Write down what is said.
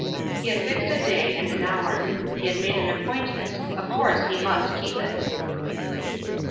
He had fixed a day and an hour. He had made an appointment; of course he must keep it.